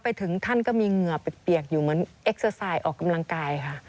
ไปถึงท่านก็มีเหงื่อเปรียกอยู่เหมือนออกกำลังกายค่ะ